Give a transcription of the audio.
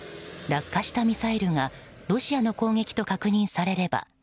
落下したミサイルがロシアの攻撃と確認されれば